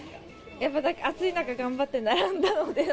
やっぱ、暑い中頑張って並んだので。